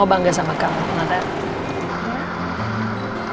mau bangga sama kamu ma